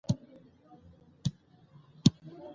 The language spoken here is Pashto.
ازادي راډیو د طبیعي پېښې په اړه د ټولنې د ځواب ارزونه کړې.